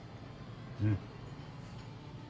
うん。